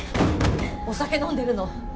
お酒飲んでるの？